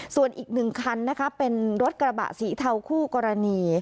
ส่วนอีก๑คันเป็นรถกระบะสีเทาคู่กรณี